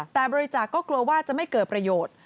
แต่บริจาคก็กลัวว่าจะไม่เกิดประโยชน์